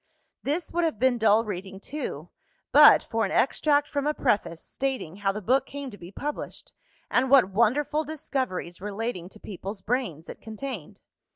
This would have been dull reading too, but for an extract from a Preface, stating how the book came to be published, and what wonderful discoveries, relating to peoples' brains, it contained.